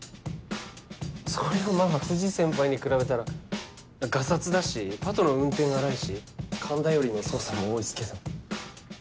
そりゃまぁ藤先輩に比べたらガサツだしパトの運転が荒いし勘頼りの捜査も多いっすけど。